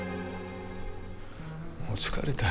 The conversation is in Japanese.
もう疲れた。